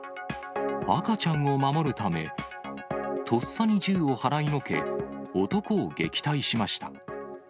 赤ちゃんを守るため、とっさに銃を払いのけ、男を撃退しました。